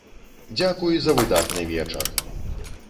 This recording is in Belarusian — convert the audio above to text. Дзякуй за выдатны вечар!